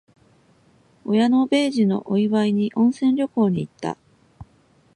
親の米寿のお祝いに、温泉旅行に行った。